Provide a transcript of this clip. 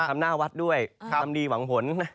เราต้องไปทำดีหวังผล